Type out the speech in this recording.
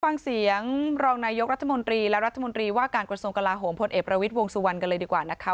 ฟังเสียงรองนายกรัฐมนตรีและรัฐมนตรีว่าการกระทรวงกลาโหมพลเอกประวิทย์วงสุวรรณกันเลยดีกว่านะคะ